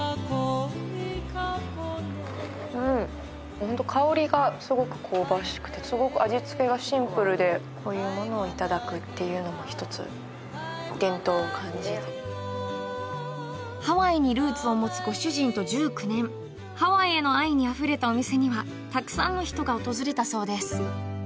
ホント香りがすごく香ばしくてすごく味付けがシンプルでこういうものをいただくっていうのも一つ伝統を感じてハワイにルーツを持つご主人と１９年ハワイへの愛にあふれたお店にはたくさんの人が訪れたそうです